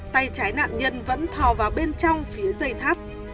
tay trái nạn nhân vẫn thò vào bên trong phía dây tháp